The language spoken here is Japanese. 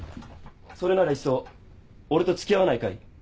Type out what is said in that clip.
それならいっそ俺とつきあわないかい？